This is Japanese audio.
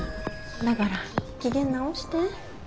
だから機嫌直して。